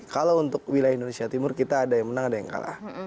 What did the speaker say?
kalau untuk wilayah indonesia timur kita ada yang menang ada yang kalah